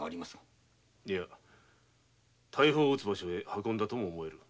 大砲を撃つ場所に運んだとも思える。